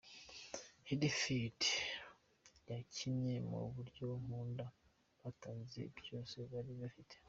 Huddersfield yakinnye mu buryo nkunda, batanze byose bari bafite.